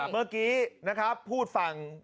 เมื่อกี้นะครับพูดฝั่ง